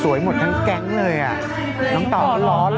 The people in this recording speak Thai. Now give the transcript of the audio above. สวยหมดทั้งแก๊งเลยน้องต่อหลอหล่อ